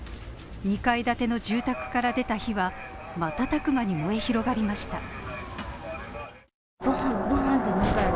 ２階建ての住宅から出た火は瞬く間に燃え広がりました。